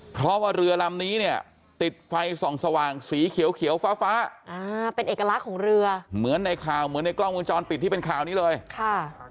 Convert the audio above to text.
เพราะว่าเรือลำนี้เนี่ยติดไฟส่องสว่างสีเขียวเขียวฟ้าฟ้าอ่าเป็นเอกลักษณ์ของเรือเหมือนในข่าวเหมือนในกล้องวงจรปิดที่เป็นข่าวนี้เลยค่ะ